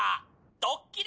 ドッキリ！？